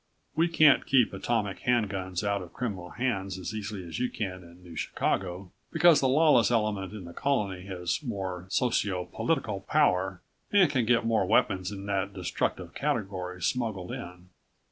We can't keep atomic hand guns out of criminal hands as easily as you can in New Chicago, because the lawless element in the Colony has more socio political power and can get more weapons in that destructive category smuggled in.